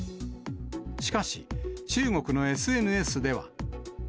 しかし、中国のＳＮＳでは。